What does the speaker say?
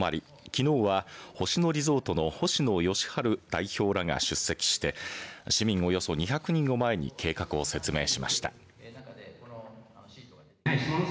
きのうは星野リゾートの星野佳路代表らが出席して市民およそ２００人を前に計画を説明しました。